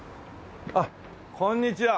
あっこんにちは。